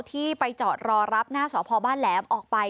ที่ไปจอดรอรับหน้าสพบ้านแหลมออกไป